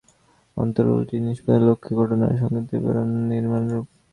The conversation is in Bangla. অত্র রুলটি নিষ্পত্তির লক্ষ্যে ঘটনার সংক্ষিপ্ত বিবরণ নিম্নরূপ।